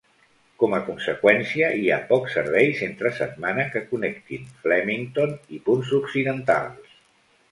Com a conseqüència, hi ha pocs serveis entre setmana que connectin Flemington i punts occidentals.